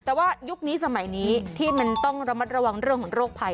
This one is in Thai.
แต่ว่ายุคนี้สมัยนี้ที่มันต้องระมัดระวังเรื่องของโรคภัย